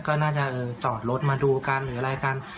ก็น่าจะจอดรถมาดูกันหรืออะไรกัน